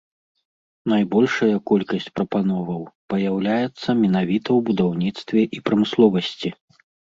Найбольшая колькасць прапановаў паяўляецца менавіта ў будаўніцтве і прамысловасці.